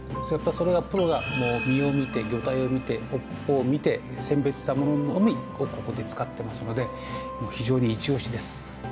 それはプロが身を見て魚体を見て尾っぽを見て選別したもののみをここで使ってますので非常にイチオシです。